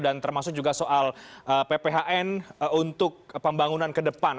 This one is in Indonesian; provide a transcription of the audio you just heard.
dan termasuk juga soal pphn untuk pembangunan kedepan